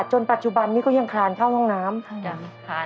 จนปัจจุบันนี้ก็ยังคลานเข้าห้องน้ำ